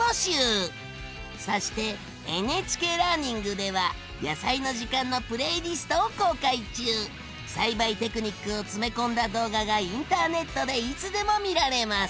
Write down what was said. そしてＮＨＫラーニングでは「やさいの時間」のプレイリストを公開中！栽培テクニックを詰め込んだ動画がインターネットでいつでも見られます！